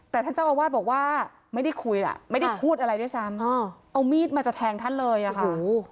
แต่ท่านเจ้าอาวาสบอกว่าไม่ได้คุยอ่ะไม่ได้พูดอะไรด้วยซ้ำเอามีดมาจะแทงท่านเลยอ่ะค่ะ